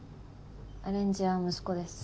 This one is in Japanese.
アレンジは息子です。